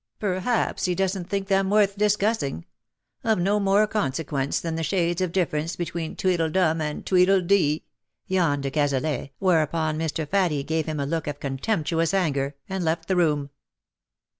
" Perhaps he doesn^t think them worth dis cussing — of no more consequence than the shades of difference between tweedledum and tweedledee," yawned de Cazalet, whereupon Mr. Faddie gave him a look of contemptuous anger, and left the room.